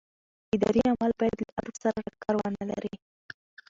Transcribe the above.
اداري عمل باید له عرف سره ټکر ونه لري.